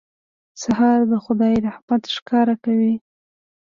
سهار د خدای رحمت ښکاره کوي.